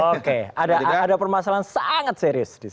oke ada permasalahan sangat serius